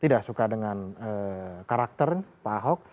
tidak suka dengan karakter pak ahok